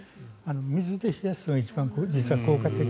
水で冷やすのが実は効果的。